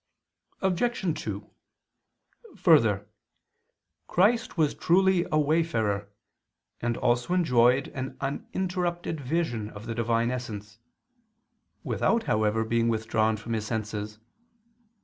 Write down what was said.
Obj. 2: Further, Christ was truly a wayfarer, and also enjoyed an uninterrupted vision of the Divine essence, without, however, being withdrawn from His senses.